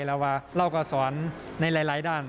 แล้วว่าเราก็สอนในหลายด้าน